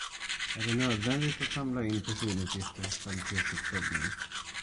Är det nödvändigt att samla in personuppgifter för kvalitetsuppföljning?